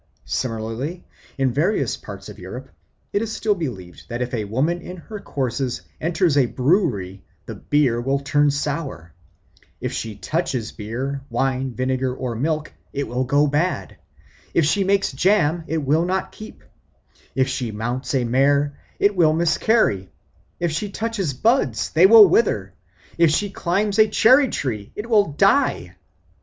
Similarly, in various parts of Europe, it is still believed that if a woman in her courses enters a brewery the beer will turn sour; if she touches beer, wine, vinegar, or milk, it will go bad; if she makes jam, it will not keep; if she mounts a mare, it will miscarry; if she touches buds, they will wither; if she climbs a cherry tree, it will die.